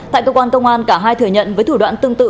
tại cơ quan công an cả hai thừa nhận với thủ đoạn tương tự